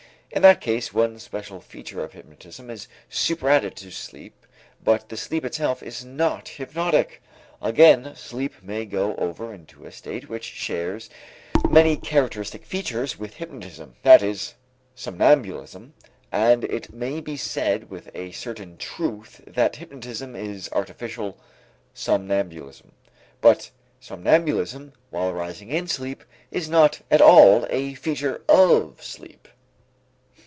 In that case, one special feature of hypnotism is superadded to sleep but the sleep itself is not hypnotic. Again sleep may go over into a state which shares many characteristic features with hypnotism, that is, somnambulism, and it may be said with a certain truth that hypnotism is artificial somnambulism. But somnambulism, while arising in sleep, is not at all a feature of sleep.